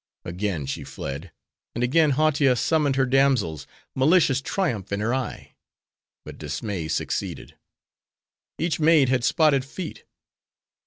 Again she fled; and again Hautia summoned her damsels: malicious triumph in her eye; but dismay succeeded: each maid had spotted feet.